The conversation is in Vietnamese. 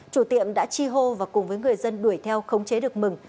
chủ tiệm đã chi hô và cùng với người dân đuổi theo khống chế được mừng